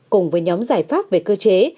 cùng với nhóm giải pháp về cơ chế